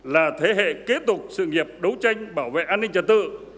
là thế hệ kế tục sự nghiệp đấu tranh bảo vệ an ninh trật tự